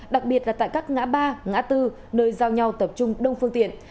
đặc biệt là tại các ngã ba ngã tư nơi giao nhau tập trung đông phương tiện